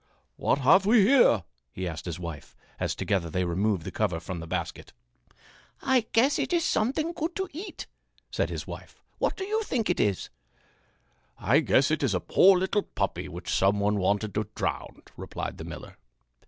"What have we here?" he asked his wife as together they removed the cover from the basket. "I guess it is something good to eat," said his wife. "What do you think it is?" "I guess it is a poor little puppy which some one wanted to drown," replied the miller.